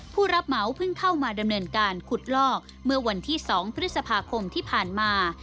ผู้รับเหมาเพิ่งเข้ามาดำเนินการขุดลอกเมื่อวันที่๒พฤษภาคมที่ผ่านมา